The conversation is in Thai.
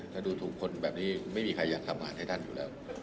ถ้าดูถูกคนแบบนี้ไม่มีใครอยากทำงานให้ท่านอยู่แล้ว